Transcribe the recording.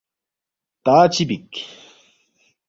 تا چِہ بیک